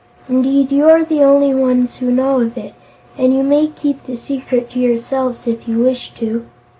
Indeed, you are the only ones who know of it, and you may keep the secret to yourselves, if you wish to."